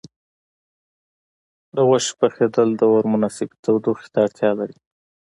د غوښې پخېدل د اور مناسبې تودوخې ته اړتیا لري.